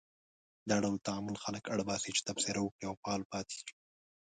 دا ډول تعامل خلک اړ باسي چې تبصره وکړي او فعال پاتې شي.